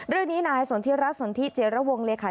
เรื่องนี้นายสนทิรัฐสนทิเจระวงเลยค่ะ